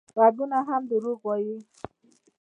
غږونه هم دروغ وايي